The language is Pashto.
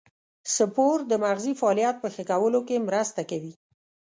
سپورت د مغزي فعالیت په ښه کولو کې مرسته کوي.